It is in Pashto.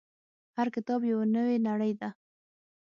• هر کتاب یو نوی نړۍ ده.